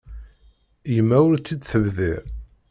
Yemma ur tt-id-tebdir.